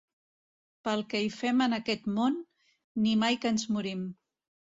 Pel que hi fem en aquest món, ni mai que ens morim.